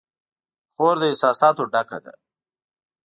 خور د احساساتو ډکه ده.